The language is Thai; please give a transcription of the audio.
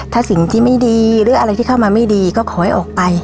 ถ้าสิ่งที่ไม่ดีหรืออะไรที่เข้ามาไม่ดีก็ขอให้ออกไป